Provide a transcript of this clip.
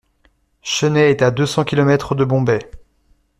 Chennai est à deux cents kilomètres de Bombay.